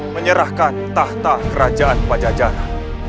menyerahkan tahta kerajaan pajajara